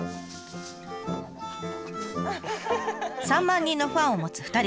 ３万人のファンを持つ２人。